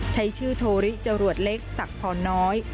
ใช้ชื่อโทริจะรวดเล็กสักพอน้อย